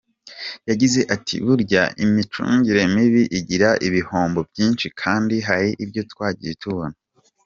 Yagize ati “Burya imicungire mibi igira ibihombo byinshi kandi hari ibyo twagiye tubona.